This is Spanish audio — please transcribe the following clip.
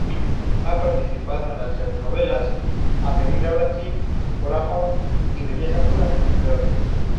Ha participado en las telenovelas "Avenida Brasil", "Por amor" y "Belleza pura", entre otras.